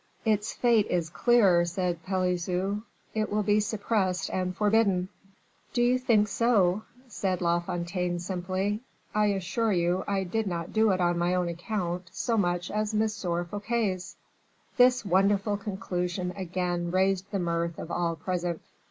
"Its fate is clear," said Pelisson; "it will be suppressed and forbidden." "Do you think so?" said La Fontaine, simply. "I assure you I did not do it on my own account so much as M. Fouquet's." This wonderful conclusion again raised the mirth of all present.